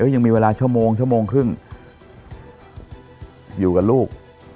ยังมีเวลาชั่วโมงชั่วโมงครึ่งอยู่กับลูก